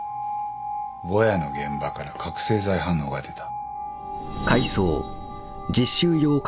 ぼやの現場から覚醒剤反応が出た。